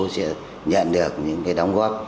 sẽ nhận được những cái đóng góp